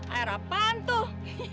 air apaan tuh